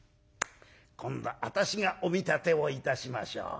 今度私がお見立てをいたしましょう。